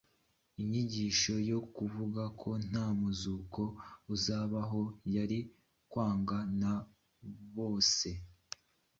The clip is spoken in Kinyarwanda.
inyigisho yo kuvuga ko nta muzuko uzabaho yari kwangwa na bose